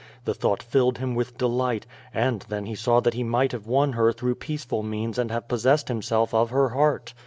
The thought filled him with de light, and then he saw that he might have won her through peaceful means and have possessed himself of her heart.